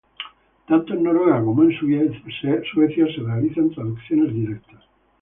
Tanto en Noruega como en Suecia se realizan traducciones directas.